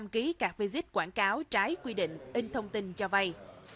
ba mươi năm kg cạt visit quảng cáo trái quy định in thông tin cho vai